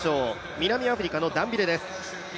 南アフリカのダンビレです。